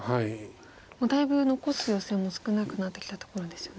もうだいぶ残すヨセも少なくなってきたところですよね。